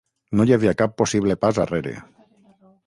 No hi havia cap possible pas arrere...